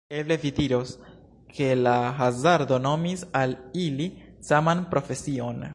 Eble vi diros, ke la hazardo donis al ili saman profesion.